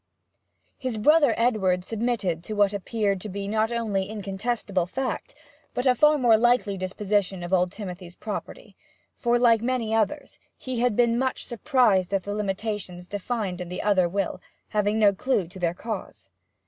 His brother Edward submitted to what appeared to be not only incontestible fact, but a far more likely disposition of old Timothy's property; for, like many others, he had been much surprised at the limitations defined in the other will, having no clue to their cause.